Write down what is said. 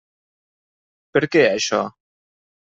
Per què, això?